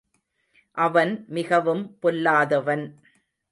அவன் மிகவும் பொல்லாதவன்.